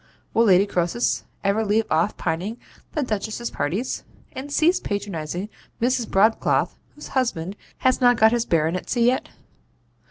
Will Lady Croesus ever leave off pining the Duchess's parties, and cease patronizing Mrs. Broadcloth whose husband has not got his Baronetcy yet?